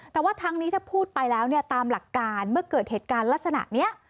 แต่ว่าทั้งนี้ถ้าพูดไปแล้วเนี่ยตามหลักการเมื่อเกิดเหตุการณ์ลักษณะนี้